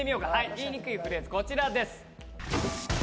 言いにくいフレーズこちらです。